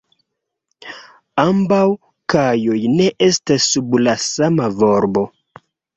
Ambaŭ kajoj ne estas sub la sama volbo.